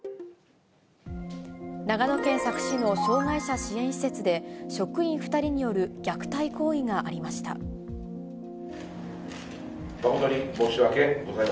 長野県佐久市の障がい者支援施設で、職員２人による虐待行為がありました。